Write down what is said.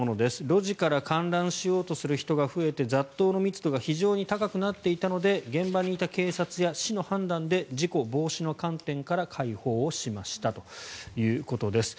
路地から観覧しようとする人が増えて、雑踏の密度が非常に高くなっていたので現場にいた警察や市の判断で事故防止の観点から開放をしましたということです。